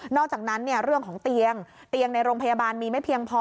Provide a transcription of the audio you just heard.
อกจากนั้นเรื่องของเตียงเตียงในโรงพยาบาลมีไม่เพียงพอ